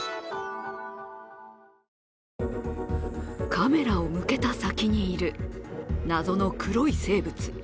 カメラを向けた先にいる、謎の黒い生物。